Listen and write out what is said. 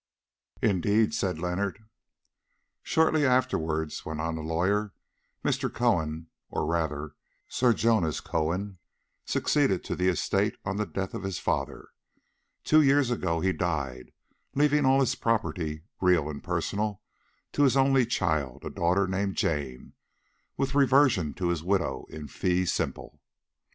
"Indeed!" said Leonard. "Shortly afterwards," went on the lawyer, "Mr. Cohen, or rather Sir Jonas Cohen, succeeded to the estate on the death of his father. Two years ago he died leaving all his property, real and personal, to his only child, a daughter named Jane, with reversion to his widow in fee simple.